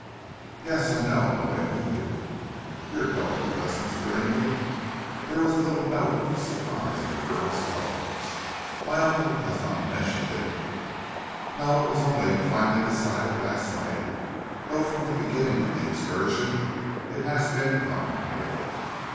"Yes, I know; I'm going with you." "You are going with us, Mr. Ainley!" There was a little note of surprise in the girl's tones. "My uncle has not mentioned it!" "No! It was only finally decided last night; though from the beginning of the excursion it has been contemplated.